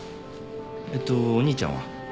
えっとお兄ちゃんは？